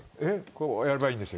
こうやればいいんです